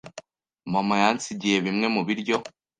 Mama yansigiye bimwe mu biryo.